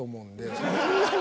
そんなに？